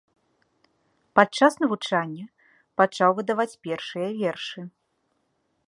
Падчас навучання пачаў выдаваць першыя вершы.